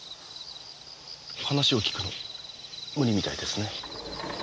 話を聞くの無理みたいですね。